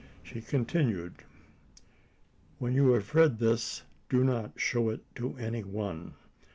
She continued: "When you have read this, do not show it to any one.